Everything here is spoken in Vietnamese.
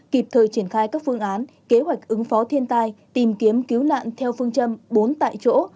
kịp thời triển khai các phương án kế hoạch ứng phó thiên tai tìm kiếm cứu nạn theo phương châm bốn tại chỗ